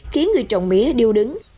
khiến người trồng mía điêu đứng